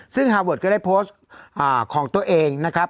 ซึ่งฮาเวิร์ดก็ได้โพสต์ของตัวเองนะครับ